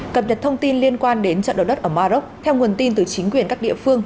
cập nhật thông tin liên quan đến trận đấu đất ở maroc theo nguồn tin từ chính quyền các địa phương